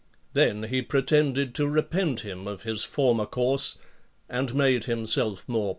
» Then he pretended to repent him of his former course, and made himself more.